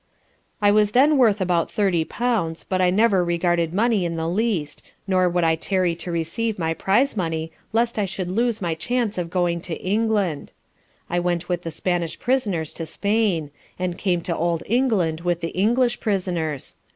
I was then worth about thirty pounds, but I never regarded money in the least, nor would I tarry to receive my prize money least I should lose my chance of going to England. I went with the Spanish prisoners to Spain; and came to Old England with the English prisoners.